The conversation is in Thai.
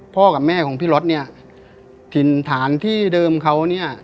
กับแม่ของพี่รถเนี่ยถิ่นฐานที่เดิมเขาเนี่ย